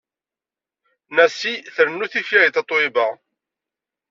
Nasy trennu tifyar di Tatoeba.